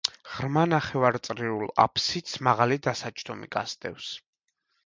ღრმა ნახევარწრიულ აფსიდს მაღალი დასაჯდომი გასდევს.